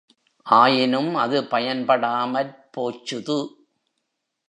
ஆயினும் அது பயன்படாமற் போச்சுது.